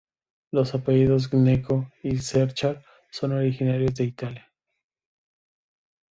Los apellidos Gnecco y Cerchar son originarios de Italia.